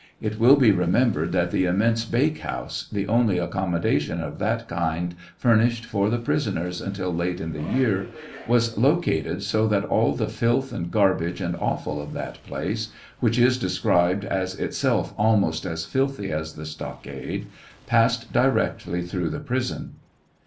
It will be remembered that the immense bkke house, the only accommodation of that kind furnished for. the prisoners until late in the year, was located so that all the filth and garbage, and offal of that place, which is described as itself almost as filthy as the stockade, passed directly through the prison.